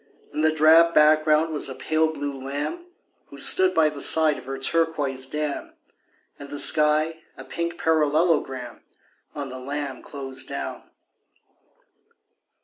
In the drab background was a pale blue lamb Who stood by the side of her turquoise dam, And the sky a pink parallelogram On the lamb closed down.